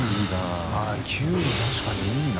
絅Ε確かにいいな。